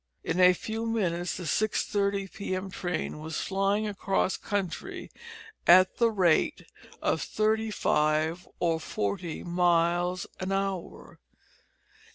In a few minutes the 6:30 p.m. train was flying across country at the rate of thirty five or forty miles an hour.